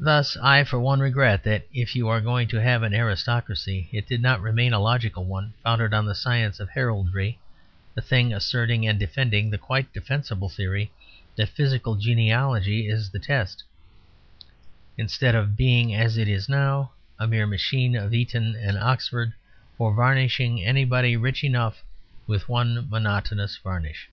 Thus I, for one, regret that (if you are going to have an aristocracy) it did not remain a logical one founded on the science of heraldry; a thing asserting and defending the quite defensible theory that physical genealogy is the test; instead of being, as it is now, a mere machine of Eton and Oxford for varnishing anybody rich enough with one monotonous varnish.